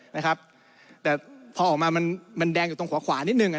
แต่เพราะออกมามันแดงอยู่ตรงขวานิดหนึ่ง